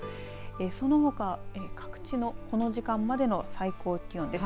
そのほか各地のこの時間までの最高気温です。